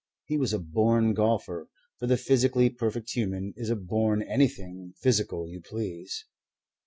He was a born golfer; for the physically perfect human is a born anything physical you please.